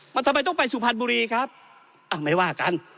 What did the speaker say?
มันทำไมต้องไปสุพรรณบุรีครับอ่ะไม่ว่ากัน